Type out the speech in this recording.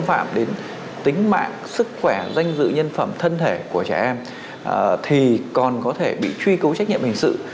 xâm phạm đến tính mạng sức khỏe danh dự nhân phẩm thân thể của trẻ em thì còn có thể bị truy cứu trách nhiệm hình sự